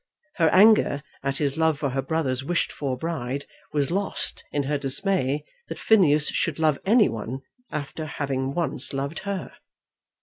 Her anger at his love for her brother's wished for bride was lost in her dismay that Phineas should love any one after having once loved her.